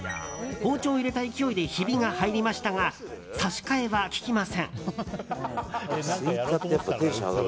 包丁を入れた勢いでひびが入りましたが差し替えはききません。